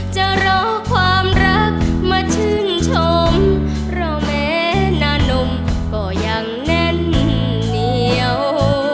จะรอความรักมาชื่นชมเพราะแม้นานุ่มก็ยังแน่นเหนียว